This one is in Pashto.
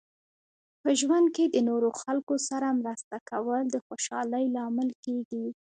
په ژوند کې د نورو خلکو سره مرسته کول د خوشحالۍ لامل کیږي.